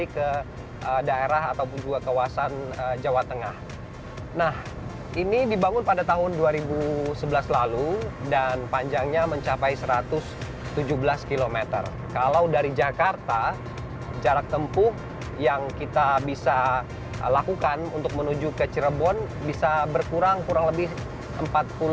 korespondensi nn indonesia femya friadi memiliki laporannya